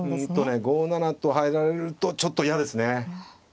うんとね５七と入られるとちょっと嫌ですね。